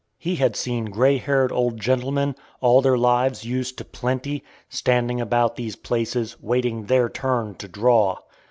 He had seen gray haired old gentlemen, all their lives used to plenty, standing about these places, waiting "their turn" to "draw."